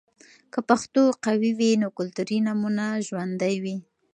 که پښتو قوي وي، نو کلتوري نمونه ژوندۍ وي.